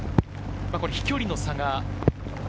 飛距離の差が。